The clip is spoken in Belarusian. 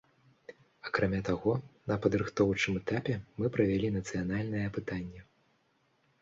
Акрамя таго, на падрыхтоўчым этапе мы правялі нацыянальнае апытанне.